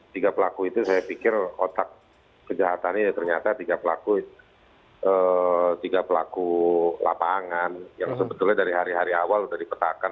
tiga pelaku itu saya pikir otak kejahatan ini ternyata tiga pelaku tiga pelaku lapangan yang sebetulnya dari hari hari awal sudah dipetakan